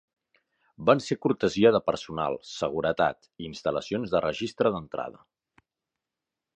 Van ser cortesia de personal, seguretat, i instal·lacions de registre d'entrada.